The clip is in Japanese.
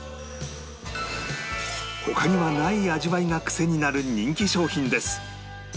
他にはない味わいがクセになる人気商品です